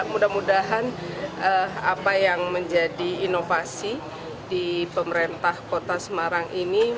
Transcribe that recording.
mudah mudahan apa yang menjadi inovasi di pemerintah kota semarang ini